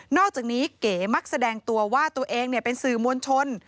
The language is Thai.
อกจากนี้เก๋มักแสดงตัวว่าตัวเองเป็นสื่อมวลชน